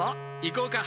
行こうか。